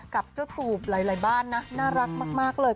กับเจ้าตูบหลายบ้านนะน่ารักมากเลย